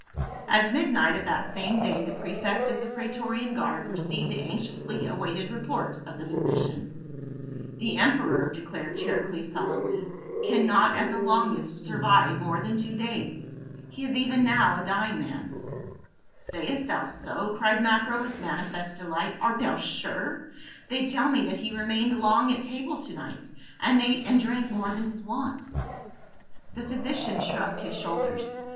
At midnight of that same day the prefect of the praetorian guard received the anxiously awaited report of the physician. " The emperor," declared Charicles solemnly, " can not at the longest survive more than two days ; he is even now a dying man." "Sayest thou so?" cried Macro with manifest delight. "Art thou sure? They tell me that he remained long at table to night, and ate and drank more than his wont." * Agrippina the elder, see note, page 45. 104 PA UL. The physician shrugged his shoulders.